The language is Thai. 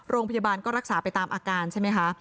โรงพยาบาลก็รักษาไปตามอาการใช่ไหมคะ